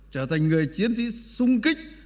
trở thành người chiến sĩ sung kích